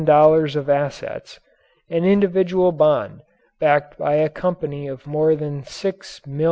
00 of assets, an individual bond backed by a Company of more than $6,000,000.